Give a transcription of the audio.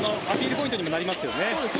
ポイントにはなりますよね。